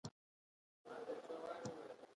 د هندوکش غرونه د سپرليو په کیسو کې مهم دي.